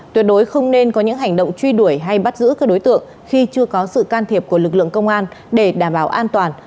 tuyệt đối không nên có những hành động truy đuổi hay bắt giữ các đối tượng khi chưa có sự can thiệp của lực lượng công an để đảm bảo an toàn